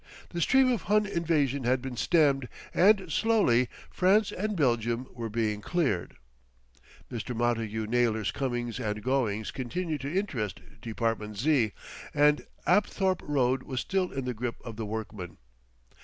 The stream of Hun invasion had been stemmed, and slowly France and Belgium were being cleared. Mr. Montagu Naylor's comings and goings continued to interest Department Z., and Apthorpe Road was still in the grip of the workman.